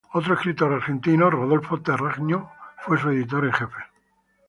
Otro escritor argentino, Rodolfo Terragno, fue su editor en jefe.